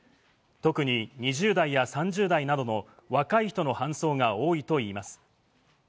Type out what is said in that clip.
特に２０代や３０代などの若い人の搬送が多いといいます。